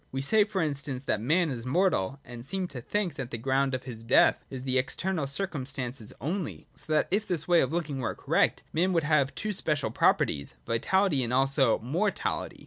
We say, for instance, that man is mortal, and seem to think that the ground of his death is in external circumstances only ; so that if this way of looking were correct, man would have two special properties, vitality and — also — mortality.